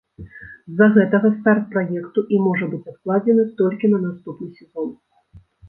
З-за гэтага старт праекту і можа быць адкладзены толькі на наступны сезон.